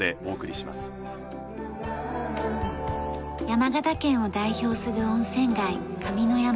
山形県を代表する温泉街上山。